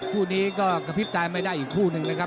คู่นี้ก็กระพริบตายไม่ได้อีกคู่หนึ่งนะครับ